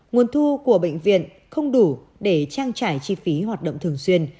nguồn thu của bệnh viện không đủ để trang trải chi phí hoạt động thường xuyên